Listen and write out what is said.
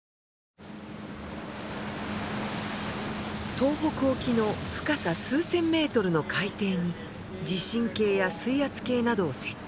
東北沖の深さ数千メートルの海底に地震計や水圧計などを設置。